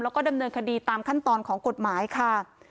แล้วก็ดำเนินคดีตามขั้นตอนของกฎหมายค่ะ